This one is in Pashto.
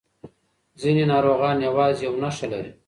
ځینې ناروغان یوازې یو نښه لري.